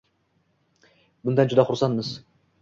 Bundan juda xursandmiz.